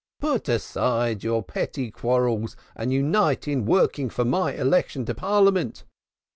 Put aside your petty quarrels and unite in working for my election to Parliament.